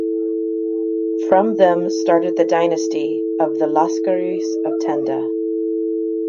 From them started the dynasty of the Lascaris of Tenda.